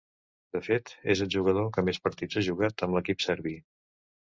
De fet, és el jugador que més partits ha jugat amb l'equip serbi.